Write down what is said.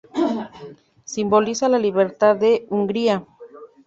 Simboliza la libertad de Hungría.